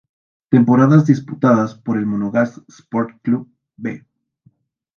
Temporadas disputadas por el Monagas Sport Club "B"